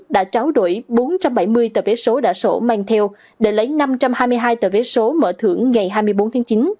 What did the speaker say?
đã tráo đổi bốn trăm bảy mươi tờ vé số đã sổ mang theo để lấy năm trăm hai mươi hai tờ vé số mở thưởng ngày hai mươi bốn tháng chín